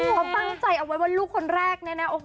หมายมั่นตั้งใจเอาไว้ว่าลูกคนแรกแน่